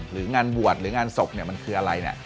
หรืองานบวชหรืองานศพมันคืออะไรเนี่ย